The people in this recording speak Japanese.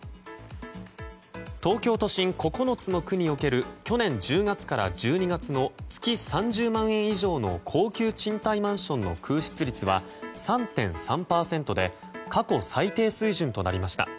東京都心９つの区における去年１０月から１２月の月３０万円以上の高級賃貸マンションの空室率は３．３％で過去最低水準となりました。